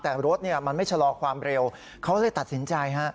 แต่รถมันไม่ชะลอความเร็วเขาเลยตัดสินใจฮะ